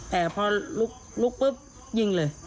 แต่พอลุกปุ๊บยิงเลย